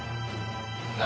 何？